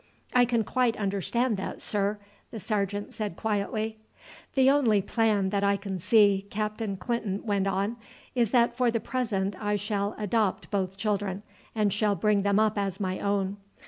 "I can quite understand that, sir," the sergeant said quietly. "The only plan that I can see," Captain Clinton went on, "is that for the present I shall adopt both children, and shall bring them up as my own.